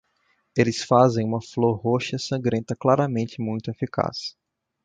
Eles fazem uma flor roxa sangrenta claramente muito eficaz.